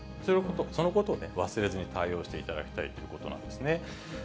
そのことを忘れずに対応していただきたいということなんですね。